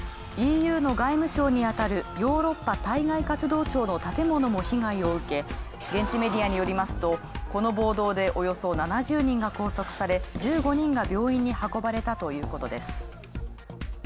ＥＵの外務省にあたるヨーロッパ対外活動庁の建物も被害を受け、現地メディアによりますとこの暴動でおよそ７０人が拘束され１５人が病院に運ばれたということです。